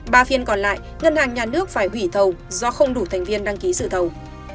ba phiên còn lại ngân hàng nhà nước phải hủy thầu do không đủ thành viên đăng ký dự thầu